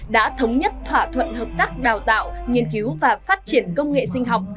đã thống nhất thỏa thuận hợp tác đào tạo nghiên cứu và phát triển công nghệ sinh học